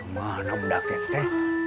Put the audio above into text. mana muda kente